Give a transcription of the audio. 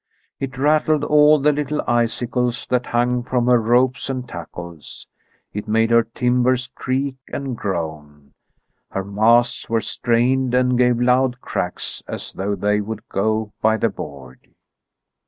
It rattled all the little icicles that hung from her ropes and tackles, it made her timbers creak and groan. Her masts were strained and gave loud cracks, as though they would go by the board.